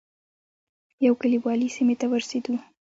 یو کلیوالي سیمې ته ورسېدو.